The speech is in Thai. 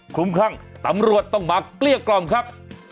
ลุ้มคลั่งตำรวจต้องมาเกลี้ยกล่อมครับ